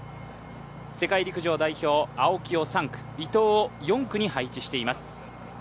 世界陸上代表・青木を３区伊藤を４区に配置しています。